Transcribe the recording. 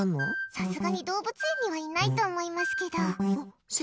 さすがに動物園にはいないと思いますけど。